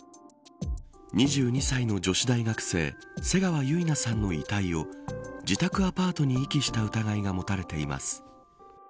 ２２歳の女子大学生瀬川結菜さんの遺体を自宅アパートに遺棄した疑いが持たれています。